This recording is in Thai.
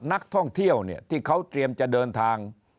นักท่องเที่ยวเนี่ยที่เขาเตรียมจะเดินทาง